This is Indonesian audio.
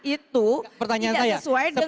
itu tidak sesuai dengan